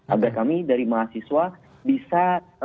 agar kami dari mahasiswa bisa